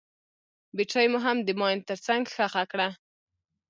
بټرۍ مو هم د ماين تر څنګ ښخه کړه.